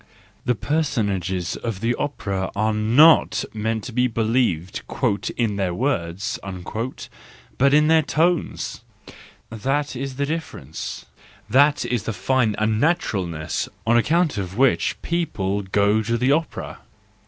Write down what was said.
The person¬ ages of the opera are not meant to be believed " in their words/* but in their tones! That is the difference, that is the fine unnaturalness on account of which people go to the opera!